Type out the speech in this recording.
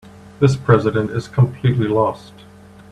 This president is completely lost.